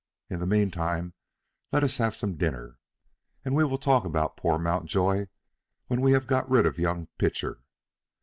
In the mean time let us have some dinner, and we will talk about poor Mountjoy when we have got rid of young Pitcher.